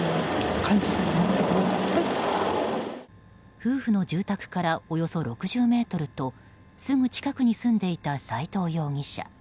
夫婦の住宅からおよそ６０ｍとすぐ近くに住んでいた斎藤容疑者。